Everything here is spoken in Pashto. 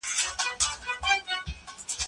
هغه سندري د باروتو او لمبو ويلې